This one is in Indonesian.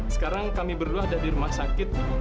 sekarang kami berdua ada di rumah sakit